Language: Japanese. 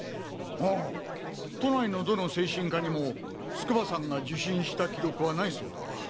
ああ都内のどの精神科にも筑波さんが受診した記録はないそうだ。